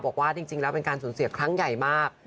บอกว่าจริงแล้วเป็นการสูญเสียครั้งใหญ่มาก